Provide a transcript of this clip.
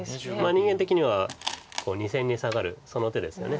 人間的には２線にサガるその手ですよね。